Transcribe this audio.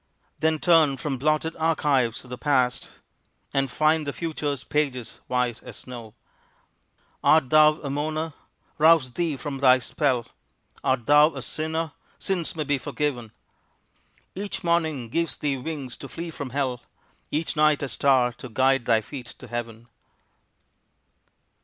Then turn from blotted archives of the past, And find the future's pages white as snow. Art thou a mourner? Rouse thee from thy spell; Art thou a sinner? Sins may be forgiven; Each morning gives thee wings to flee from hell, Each night a star to guide thy feet to heaven.